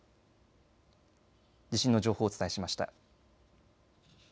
地震の情報をお伝えしました。